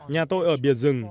nhà tôi ở biển rừng